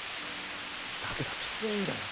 だけどキツいんだよ